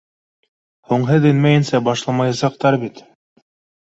— Һуң һеҙ инмәйенсә башламаясаҡтар бит.